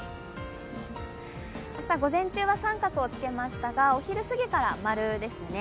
明日午前中は△をつけましたがお昼過ぎから○ですね。